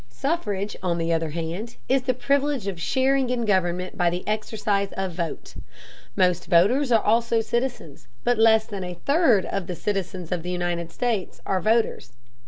Suffrage, on the other hand, is the privilege of sharing in government by the exercise of the vote. Most voters are also citizens, but less than a third of the citizens of the United States are voters.